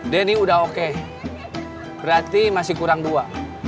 denny udah oke berarti masih kurang dua